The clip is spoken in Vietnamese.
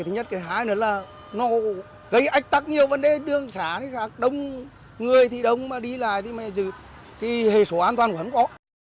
nó gây ách tắc nhiều vấn đề đường xã khác đông người thì đông mà đi lại thì hề số an toàn của hắn có